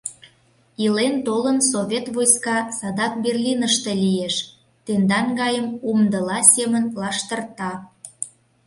Илен-толын, совет войска садак Берлиныште лиеш, тендан гайым умдыла семын лаштырта.